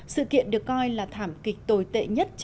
sự kiện được coi là thảm kịch tồi tệ nhất